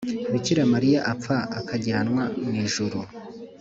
bikira mariya apfa akajyanwa mw’ijuru.